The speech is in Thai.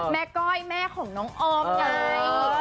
ก้อยแม่ของน้องออมไง